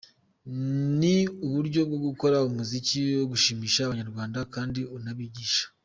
Ni uburyo bwo gukora umuziki wo gushimisha Abanyarwanda kandi unabigisha.